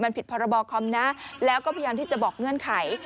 มันผิดพรบคอมนะแล้วก็พยายามที่จะบอกเงื่อนไข